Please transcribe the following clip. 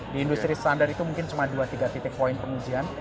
di industri standar itu mungkin cuma dua tiga titik poin pengujian